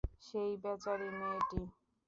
সেই বেচারি মেয়েটি।